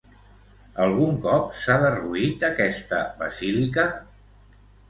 Algun cop s'ha derruït aquesta basílica?